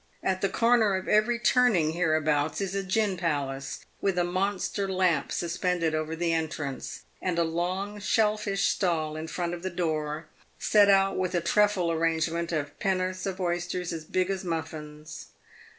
At the corner of every turning hereabouts is a gin palace, with a monster lamp sus pended over the entrance, and a long, shell fish stall in front of the door, set out with a trefoil arrangement of pen'orfchs of oysters, as big as muffins.